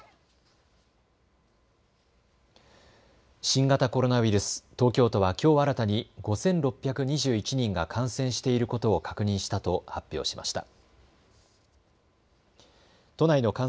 新型コロナウイルス、東京都はきょう新たに５６２１人が感染していることを確認したと発表しました。